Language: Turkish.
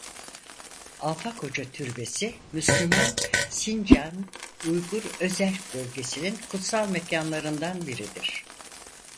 Afak Hoca türbesi Müslüman Sincan Uygur Özerk Bölgesi'nin kutsal mekanlarından biridir.